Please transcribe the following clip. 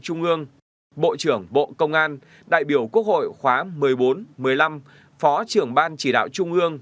trung ương bộ trưởng bộ công an đại biểu quốc hội khóa một mươi bốn một mươi năm phó trưởng ban chỉ đạo trung ương